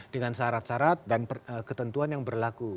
dengan syarat syarat dan ketentuan yang berlaku